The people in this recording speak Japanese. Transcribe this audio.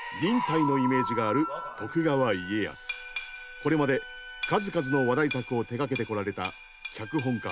これまで数々の話題作を手がけてこられた脚本家